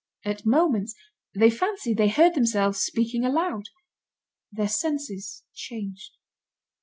At moments, they fancied they heard themselves speaking aloud. Their senses changed.